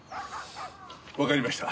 わかりました。